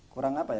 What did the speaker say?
kurang apa ya